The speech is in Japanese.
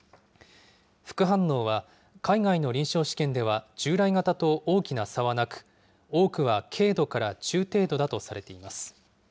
副反応は、海外の臨床試験では、従来型と大きな差はなく、多くは軽度から中程度だとされています。